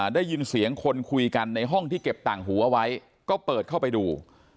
ได้ยินเสียงคนคุยกันในห้องที่เก็บต่างหูเอาไว้ก็เปิดเข้าไปดู